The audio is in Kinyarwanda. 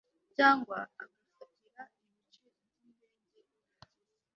cyangwa agafatira ibice by indege yagize